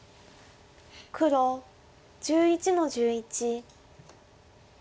黒１１の十一。